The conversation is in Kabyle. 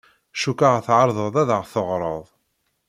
Cukkeɣ tɛerḍeḍ ad aɣ-d-teɣṛeḍ.